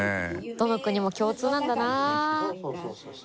どの国も共通なんだな。